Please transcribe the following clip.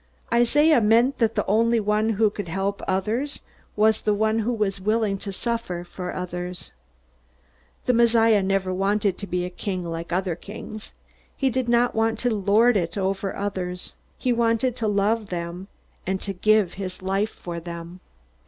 Isaiah meant that the only one who could help others was the one who was willing to suffer for others. The Messiah never wanted to be a king like other kings. He did not want to lord it over others. He wanted to love them, and to give his life for them.